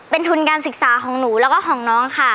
เป็นทุนการศึกษาของหนูแล้วก็ของน้องค่ะ